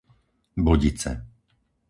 Bodice